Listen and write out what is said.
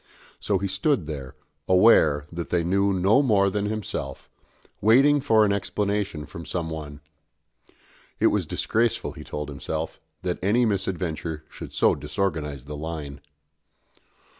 So he stood there, aware that they knew no more than himself, waiting for an explanation from some one. It was disgraceful, he told himself, that any misadventure should so disorganise the line.